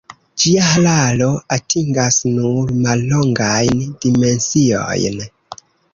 Ĝia hararo atingas nur mallongajn dimensiojn.